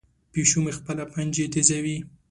پیشو مې خپلې پنجې تیزوي.